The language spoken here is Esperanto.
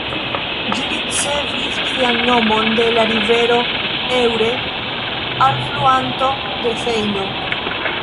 Ĝi ricevis sian nomon de la rivero Eure, alfluanto de Sejno.